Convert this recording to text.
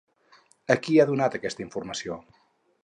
A qui ha donat aquesta informació?